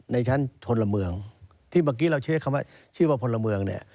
ในชั้นพลเมืองที่เมื่อกี้เราใช้คำว่าชื่อว่าพลเมืองเนี่ย